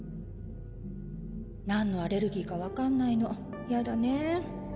なんのアレルギーか分かんないのやだねぇ。